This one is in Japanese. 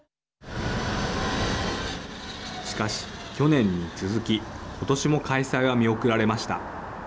しかし去年に続き今年も開催は見送られました。